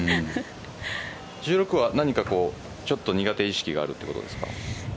１６は何かちょっと苦手意識があるということですか？